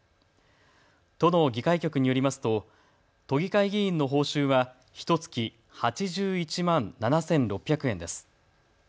都の議会局によりますと都議会議員の報酬はひとつき８１万７６００円です。